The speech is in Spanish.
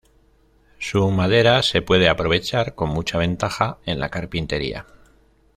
Su madera se puede aprovechar con mucha ventaja en la carpintería.